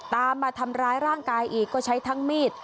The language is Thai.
ตามมาทำร้ายร่างกายอีกก็ใช้ทั้งมีด